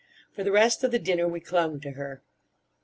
For the rest of the dinner we clung to her.